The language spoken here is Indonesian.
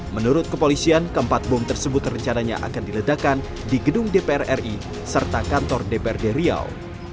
menurut kepolisian keempat bom tersebut rencananya akan diledakan di gedung dpr ri serta kantor dprd riau